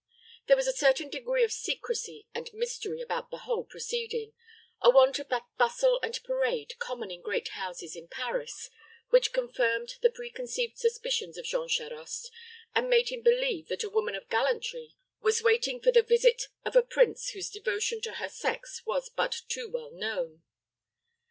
There was a certain degree of secrecy and mystery about the whole proceeding, a want of that bustle and parade common in great houses in Paris, which confirmed the preconceived suspicions of Jean Charost, and made him believe that a woman of gallantry was waiting for the visit of a prince whose devotion to her sex was but too well known.